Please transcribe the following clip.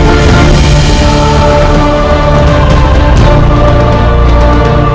jika kau menganggap